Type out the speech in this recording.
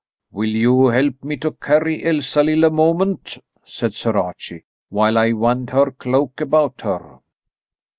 "Will you help me to carry Elsalill a moment," said Sir Archie, "while I wind her cloak about her?"